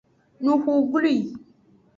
Nuxu glwi.